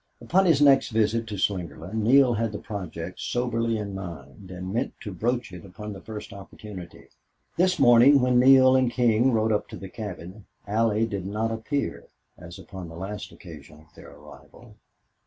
Upon his next visit to Slingerland Neale had the project soberly in mind and meant to broach it upon the first opportunity. This morning, when Neale and King rode up to the cabin, Allie did not appear as upon the last occasion of their arrival.